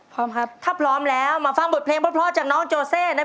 ขอบคุณที่ให้ทุกคนชักใจ